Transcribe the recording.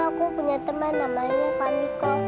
aku punya teman namanya pamiko